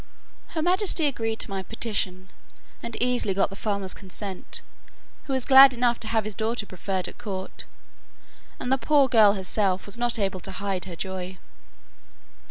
Her majesty agreed to my petition, and easily got the farmer's consent, who was glad enough to have his daughter preferred at court, and the poor girl herself was not able to hide her joy.